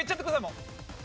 もう。